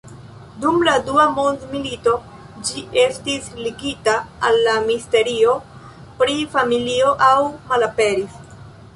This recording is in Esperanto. Dum la dua mondmilito, ĝi estis ligita al la ministerio pri familio aŭ malaperis.